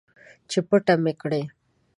چې پټه مې کړي